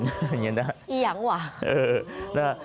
อย่างเงี้ยนะอียังวะเออนะฮะ